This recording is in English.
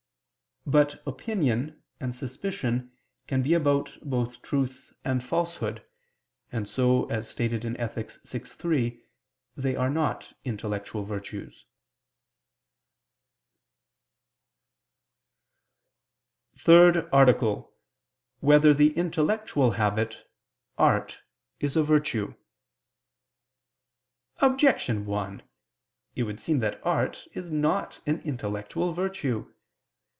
But opinion and suspicion can be about both truth and falsehood: and so, as stated in Ethic. vi, 3, they are not intellectual virtues. ________________________ THIRD ARTICLE [I II, Q. 57, Art. 3] Whether the Intellectual Habit, Art, Is a Virtue? Objection 1: It would seem that art is not an intellectual virtue.